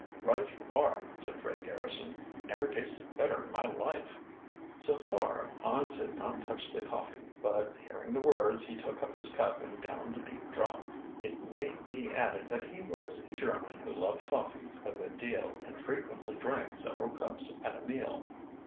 "Right you are," said Fred Garrison. "Never tasted better in my life." So far Hans had not touched the coffee, but hearing the words he took up his cup and downed a deep draught. It may be added that he was a German who loved coffee a good deal, and frequently drank several cups at a meal.